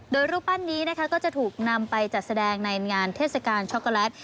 โดยรูปปั้นนี้นะคะก็จะถูกนำไปจัดแสดงในงานเทศกาลช็อกโกแลต